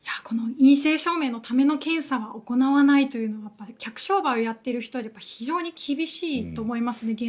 陰性証明のための検査は行わないというのは客商売をやっている人には非常に厳しいと思いますね。